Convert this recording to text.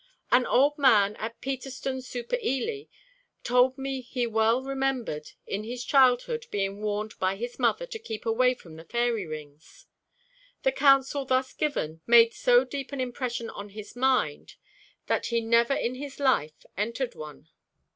An old man at Peterstone super Ely told me he well remembered in his childhood being warned by his mother to keep away from the fairy rings. The counsel thus given him made so deep an impression on his mind, that he had never in his life entered one.